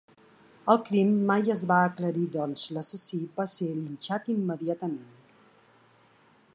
El crim mai es va aclarir doncs l'assassí va ser linxat immediatament.